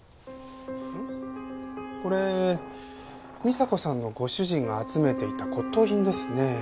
これ美沙子さんのご主人が集めていた骨董品ですねえ。